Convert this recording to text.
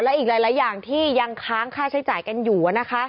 และอีกหลายอย่างที่ยังค้างค่าใช้จ่ายกันอยู่นะคะ